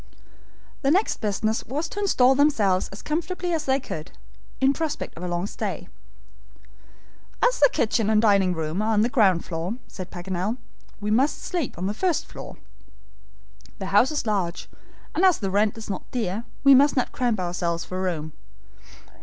The next business was to install themselves as comfortably as they could, in prospect of a long stay. "As the kitchen and dining room are on the ground floor," said Paganel, "we must sleep on the first floor. The house is large, and as the rent is not dear, we must not cramp ourselves for room.